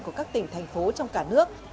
của các tỉnh thành phố trong cả nước